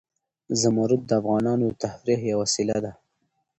زمرد د افغانانو د تفریح یوه وسیله ده.